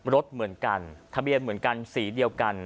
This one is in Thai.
รถเหมือนกันทะเบียนเหมือนกันสีเดียวกัน